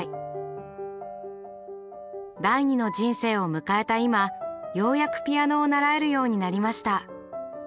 第二の人生を迎えた今ようやくピアノを習えるようになりました。